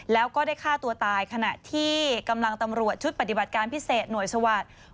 แล้วก็ได้ฆ่าตัวตายขณะที่กำลังตำรวจชุดปฏิบัติการพิเศษหน่วยสวัสดิ์